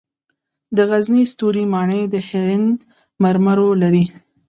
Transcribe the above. د غزني ستوري ماڼۍ د هند مرمرو لري